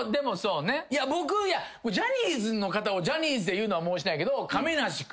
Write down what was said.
いや僕ジャニーズの方をジャニーズで言うのは申し訳ないけど。